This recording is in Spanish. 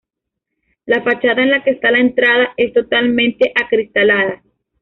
La fachada en la que está la entrada es totalmente acristalada.